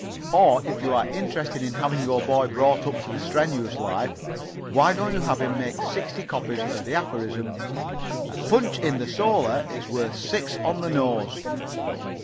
Or if you are interested in having your boy brought up to the strenuous life, why don't you have him make sixty copies of the aphorism, 'A punch in the solar is worth six on the nose?'